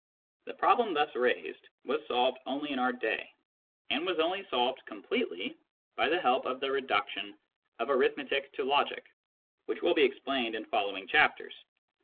The problem thus raised was solved only in our own day, and was only solved completely by the help of the reduction of arithmetic to logic which will be explained in following chapters.